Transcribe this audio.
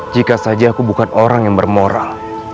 jika saja aku bukan orang yang bermoral